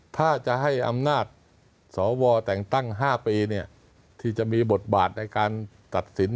ถ้าจะให้อำนาจสวแต่งตั้ง๕ปีที่จะมีบทบาทในการตัดสิน